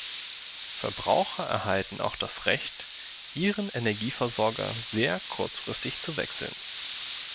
Verbraucher erhalten auch das Recht, ihren Energieversorger sehr kurzfristig zu wechseln.